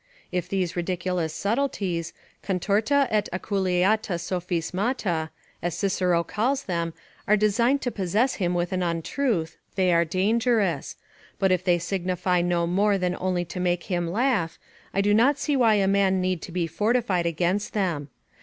If these ridiculous subtleties, "Contorta et aculeata sophismata," as Cicero calls them, are designed to possess him with an untruth, they are dangerous; but if they signify no more than only to make him laugh, I do not see why a man need to be fortified against them.